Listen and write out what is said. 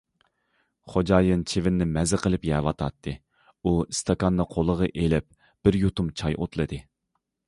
خوجايىن چىۋىننى مەززە قىلىپ يەۋاتاتتى، ئۇ ئىستاكاننى قولىغا ئېلىپ بىر يۇتۇم چاي ئوتلىدى.